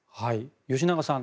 吉永さん